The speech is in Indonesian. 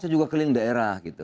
saya juga keliling daerah gitu